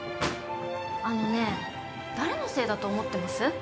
あのね誰のせいだと思ってます？